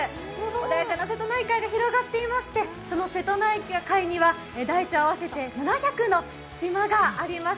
穏やかな瀬戸内海が広がっていまして、その瀬戸内海には大小合わせて７００の島があります。